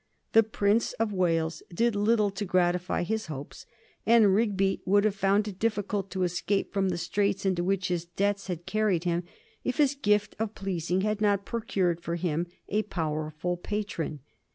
The Prince of Wales did little to gratify his hopes, and Rigby would have found it difficult to escape from the straits into which his debts had carried him if his gift of pleasing had not procured for him a powerful patron.